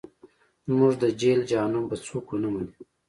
زموږ د جهل جهنم به څوک ونه مني.